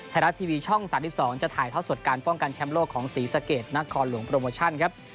ไทยรัฐทีวีช่อง๓๒จะถ่ายท่อสดการป้องกันแชมป์โลกของศรีสะเกดนครหลวงโปรโมชั่นครับ